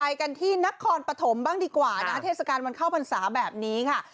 ไปกันที่นครปฐมบ้างดีกว่านะเทศกาลวันเข้าพรรษาแบบนี้ค่ะ